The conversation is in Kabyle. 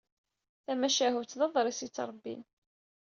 Tamacahut d aḍris yettrebbin.